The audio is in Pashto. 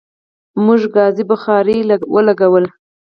موږ ګازی بخاری ولګوله